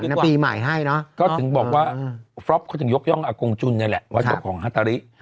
ของฟันปีใหม่ให้เนอะก็ถึงบอกว่าฟรอปเขาถึงยกย่องอากงจุนไงแหละวัตถุของฮัตตาลี